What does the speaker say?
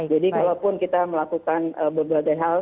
jadi kalaupun kita melakukan berbagai hal